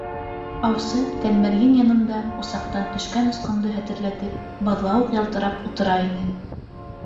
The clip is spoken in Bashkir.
Аусы Тәлмәрйен янында, усаҡтан төшкән осҡондо хәтерләтеп, Баҙлауыҡ ялтырап ултыра ине.